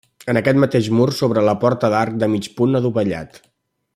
En aquest mateix mur s'obre la porta d'arc de mig punt adovellat.